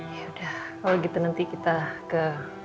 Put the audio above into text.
yaudah kalau gitu nanti kita ke